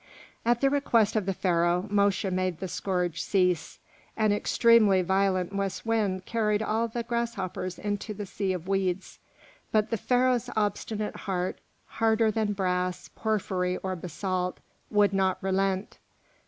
At the request of the Pharaoh Mosche made the scourge cease. An extremely violent west wind carried all the grasshoppers into the Sea of Weeds; but the Pharaoh's obstinate heart, harder than brass, porphyry, or basalt, would not relent.